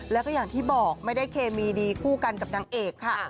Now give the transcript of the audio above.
แล้วก็อย่างที่บอกไม่ได้เคมีดีคู่กันกับนางเอกค่ะ